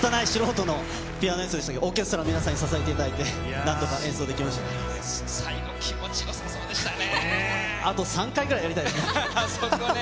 つたない素人のピアノ演奏でしたけれども、オーケストラの皆さんに支えていただいて演奏でき最後、気持ちよさそうでしたね。